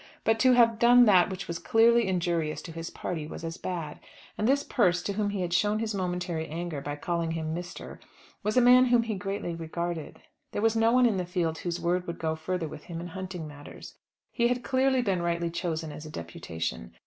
But to have done that which was clearly injurious to his party was as bad. And this Persse to whom he had shown his momentary anger by calling him Mr., was a man whom he greatly regarded. There was no one in the field whose word would go further with him in hunting matters. He had clearly been rightly chosen as a deputation.